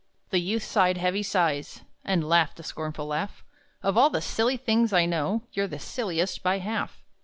The youth sighed heavy sighs, And laughed a scornful laugh: "Of all the silly things I know, You're the silliest, by half!"